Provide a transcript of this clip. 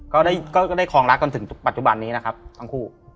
ก็ได้คลองรักจนถึงปัจจุบันนี้นะครับทั้งคู่